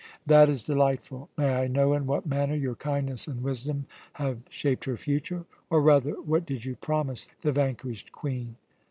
"That is delightful. May I know in what manner your kindness and wisdom have shaped her future? Or, rather, what did you promise the vanquished Queen?"